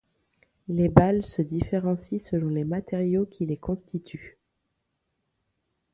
Les balles se différencient selon les matériaux qui les constituent.